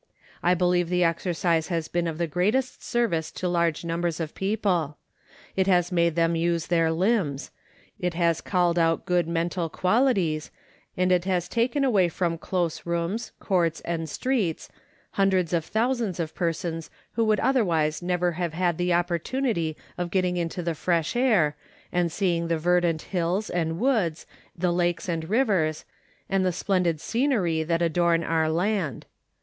I believe the exercise has been of the greatest service to large numbers of people. It has made them use their limbs; it it has called out good mental qualities, and it has taken away from close rooms, courts and streets, hundreds of thousands of persons who would otherwise never have had the opportunity of getting into the fresh air and seeing the verdant fields and woods, the lakes and rivers, and the splendid scenery that adorn our land.